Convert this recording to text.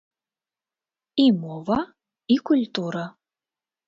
І мова, і культура.